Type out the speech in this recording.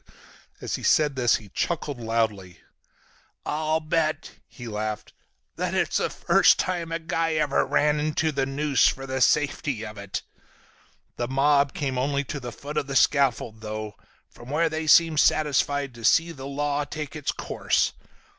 As he said this he chuckled loudly. "I'll bet," he laughed, "that's the first time a guy ever ran into the noose for the safety of it! The mob came only to the foot of the scaffold though, from where they seemed satisfied to see the law take its course.